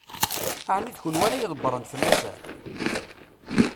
Ɛni d kenwi ara ydebbṛen fell-asen?